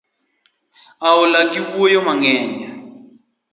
Oola gi wuoyo mang'eny